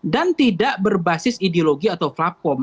dan tidak berbasis ideologi atau platform